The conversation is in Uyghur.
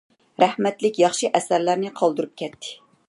رەھمەتلىك ياخشى ئەسەرلەرنى قالدۇرۇپ كەتتى.